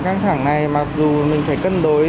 căng thẳng này mặc dù mình phải cân đối